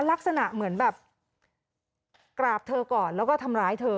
ลักษณะเหมือนแบบกราบเธอก่อนแล้วก็ทำร้ายเธอ